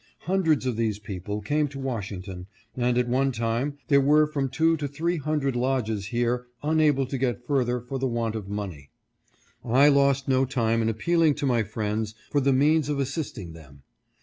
Hun dreds of these people came to Washington, and at onetime there were from two to three hundred lodges here unable to get further for the want of money. I lost no time in ap pealing to my friends for the means of assisting them.